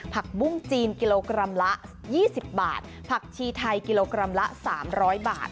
ผักบุ้งจีนกิโลกรัมละ๒๐บาทผักชีไทยกิโลกรัมละ๓๐๐บาท